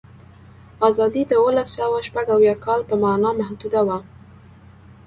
آزادي د اوولسسوهشپږاویا کال په معنا محدوده وه.